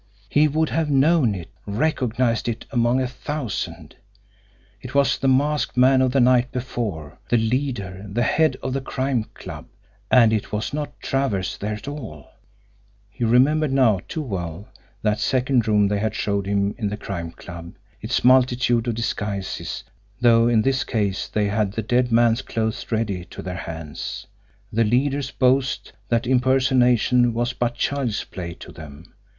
He would have known it, recognised it, among a thousand it was the masked man of the night before, the leader, the head of the Crime Club! And it was not Travers there at all! He remembered now, too well, that second room they had showed him in the Crime Club its multitude of disguises, though in this case they had the dead man's clothes ready to their hands the leader's boast that impersonation was but child's play to them!